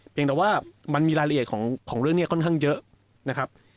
แต่ว่ามันมีรายละเอียดของเรื่องนี้ค่อนข้างเยอะนะครับ